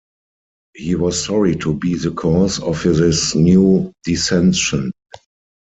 He was sorry to be the cause of this new dissension.